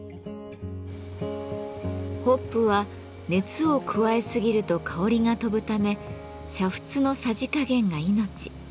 ホップは熱を加えすぎると香りが飛ぶため煮沸のさじ加減が命。